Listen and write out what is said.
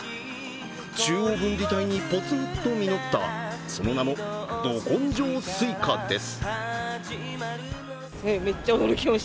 中央分離帯にポツンと実った、その名も、ど根性スイカです。